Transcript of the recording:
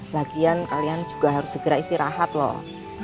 lagian kalian juga harus segera istirahat loh